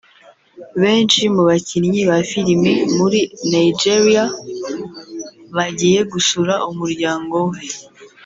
Benshi mu bakinnyi ba filimi muri Nigeria bagiye gusura umuryango we